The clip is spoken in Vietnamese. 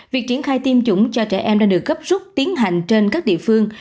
việc triển khai tiêm chủng cho trẻ em đang được gấp rút tiến hành trên các địa phương